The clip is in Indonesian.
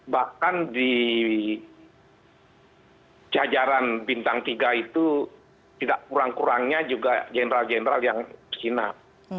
bahkan di jajaran bintang tiga itu tidak kurang kurangnya juga general general yang bersinar